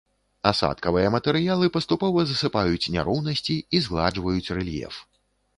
Асадкавыя матэрыялы паступова засыпаюць няроўнасці і згладжваюць рэльеф.